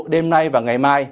đêm nay và ngày mai